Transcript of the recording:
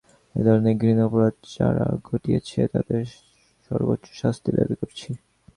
এ ধরনের ঘৃণ্য অপরাধ যারা ঘটিয়েছে, তাদের সর্বোচ্চ শাস্তি দাবি করছি।